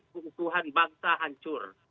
keutuhan bangsa hancur